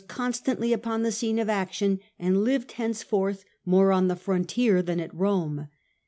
*°' constantly upon the scene of action, and lived henceforth more on the frontier than at Rome.